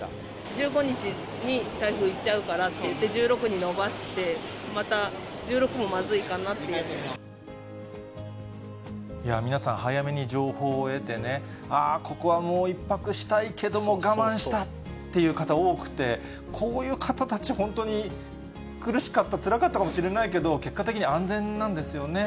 １５日に台風来ちゃうからっていって、１６に延ばして、皆さん、早めに情報を得てね、あー、ここはもう１泊したいけども、我慢したっていう方、多くて、こういう方たち、本当に苦しかった、つらかったかもしれないけど、結果的に安全なんですよね。